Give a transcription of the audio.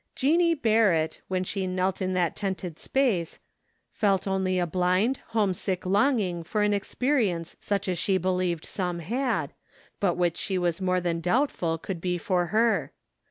Jeanie Barret, when she knelt in that tented space, felt only a blind, home¬ sick longing for an experience such as she believed some had, but which she was more than doubtful could be for her.